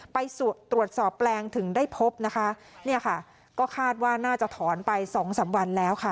ไปตรวจสอบแปลงถึงได้พบนะคะเนี่ยค่ะก็คาดว่าน่าจะถอนไปสองสามวันแล้วค่ะ